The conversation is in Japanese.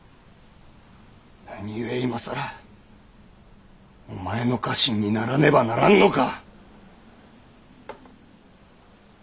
何故今更お前の家臣にならねばならんのか！